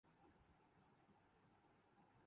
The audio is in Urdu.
رنجش رکھتا ہوں